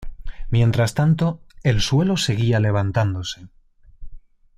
Mientras tanto el suelo seguía levantándose.